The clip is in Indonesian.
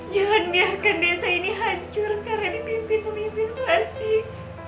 jangan biarkan desa ini hancur karena ini mimpi mimpi kasih